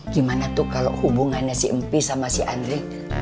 gimana tuh kalau hubungannya si empi sama si andri